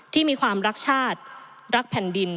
ที่มีความรักชาติรักแผ่นดิน